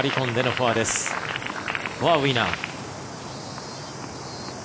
フォアウィナー。